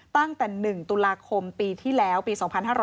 ตั้งแต่๑ตุลาคมปีที่แล้วปี๒๕๕๙